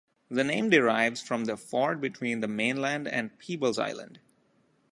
The name derives from the ford between the mainland and Peebles Island.